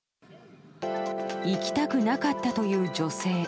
行きたくなかったという女性。